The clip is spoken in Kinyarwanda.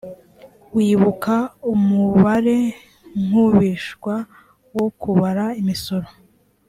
wibuka umubarenkubishwa wo kubara imisoro‽